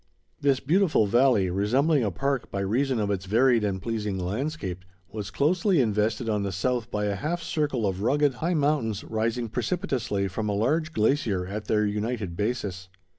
This beautiful valley, resembling a park by reason of its varied and pleasing landscape, was closely invested on the south by a half circle of rugged, high mountains rising precipitously from a large glacier at their united bases.